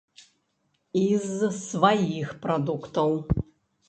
І з сваіх прадуктаў.